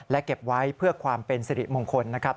และเก็บไว้เพื่อความเป็นสิริมงคลนะครับ